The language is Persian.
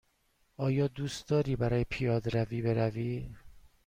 آیا دوست داری برای پیاده روی بروی؟